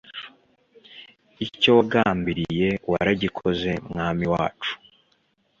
Icyowagambiriye waragikoze mwami wacu